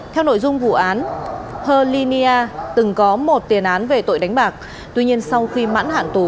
theo nội dung vụ án hơ ly nia từng có một tiền án về tội đánh bạc tuy nhiên sau khi mãn hạn tù